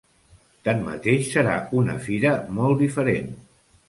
Tanmateix, serà una fira molt diferent.